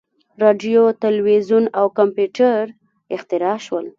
• راډیو، تلویزیون او کمپیوټر اختراع شول.